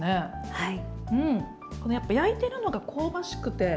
はい。